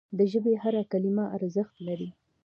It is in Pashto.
د ژبي هره کلمه ارزښت لري.